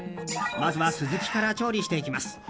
まずはスズキから調理していきます。